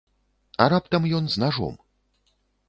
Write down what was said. А раптам ён з нажом?